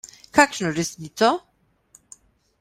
Kakšno resnico?